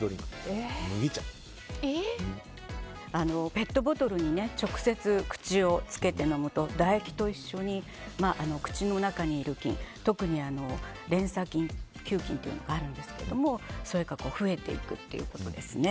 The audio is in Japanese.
ペットボトルに直接口をつけて飲むと唾液と一緒に、口の中にいる菌特にレンサ球菌というのがあるんですけどそれが増えていくということです。